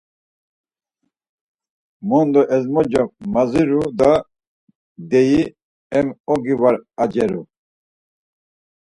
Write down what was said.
Mondo ezmoce maziru da; deyi em ogi var aceru.